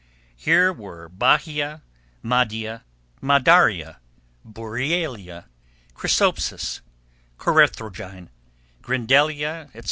Here were bahia, madia, madaria, burrielia, chrysopsis, corethrogyne, grindelia, etc.